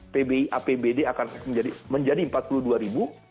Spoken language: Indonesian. pbi apbd akan menjadi rp empat puluh dua